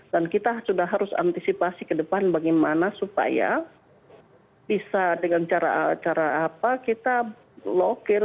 dan kita sudah harus antisipasi ke depan bagaimana supaya bisa dengan cara apa kita blokir